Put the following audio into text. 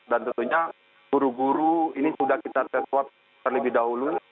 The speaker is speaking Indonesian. dan tentunya guru guru ini sudah kita tes swab terlebih dahulu